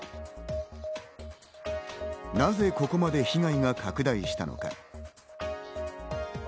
なぜここまで被害が拡大したのか。